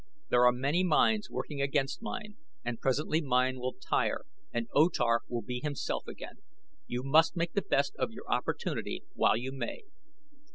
There are many minds working against mine and presently mine will tire and O Tar will be himself again. You must make the best of your opportunity while you may.